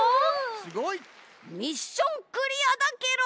すごい！ミッションクリアだケロ！